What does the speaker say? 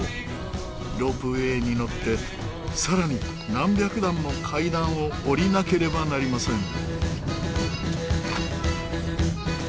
ロープウェーに乗ってさらに何百段も階段を下りなければなりません。